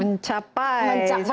mencapai suatu tujuan